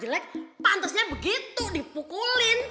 jelek pantesnya begitu dipukulin